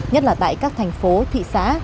nhất là tại các thành phố thị xã